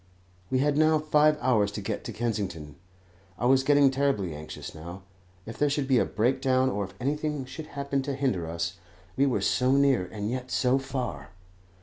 We had now five hours to get to Kensington. I was getting terribly anxious now. If there should be a breakdown, or if anything should happen to hinder us! We were so near, and yet so far.